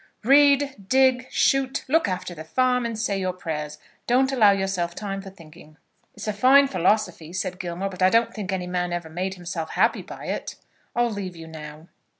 "Read, dig, shoot, look after the farm, and say your prayers. Don't allow yourself time for thinking." "It's a fine philosophy," said Gilmore, "but I don't think any man ever made himself happy by it. I'll leave you now."